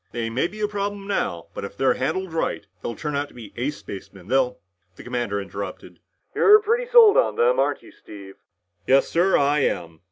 They may be a problem now, but if they're handled right, they'll turn out to be ace spacemen, they'll " The commander interrupted. "You're pretty sold on them, aren't you, Steve?" "Yes, sir, I am."